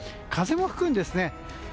風も吹くんですね。